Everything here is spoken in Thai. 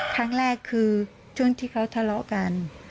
ครั้งแรกคือช่วงที่เขาทะเลาะกัน